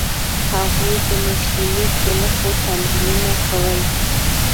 هغوی د میخي لیک د نښو تمرینونه کول.